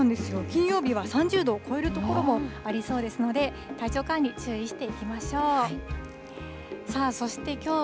金曜日は３０度を超える所もありそうですので、体調管理、注意していきましょう。